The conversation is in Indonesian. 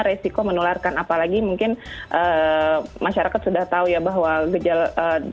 resiko menularkan apalagi mungkin masyarakat sudah tahu ya bahwa gejala